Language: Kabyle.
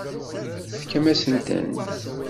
Tefkam-asent-tent.